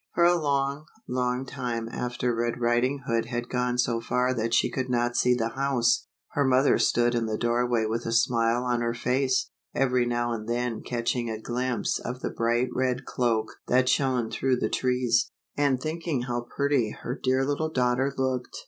For a long, long time after Red Riding Hood had gone so far that she could not see the house, her mother stood in the doorway with a smile on her face, every now and then catch ing a glimpse of the bright red cloak that shone through the trees, and thinking how pretty her dear little daughter looked 44 LITTLE RED RIDING HOOD.